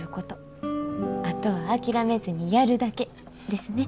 あとは諦めずにやるだけ」ですね。